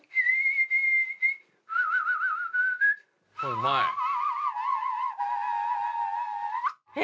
うまい！え！？